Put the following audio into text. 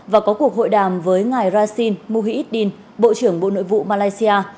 và có cuộc hội đàm với ngài rasin muhyiddin bộ trưởng bộ nội vụ malaysia